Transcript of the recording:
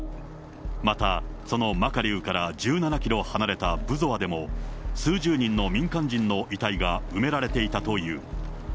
またそのマカリウから１７キロ離れたブゾワでも、数十人の民間人の遺体が埋められていたという。